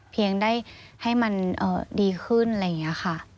เพียงได้ให้มันดีขึ้นอะไรอย่างนี้ค่ะ